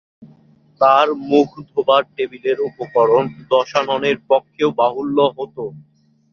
তার মুখ-ধোবার টেবিলের উপকরণ দশাননের পক্ষেও বাহুল্য হত।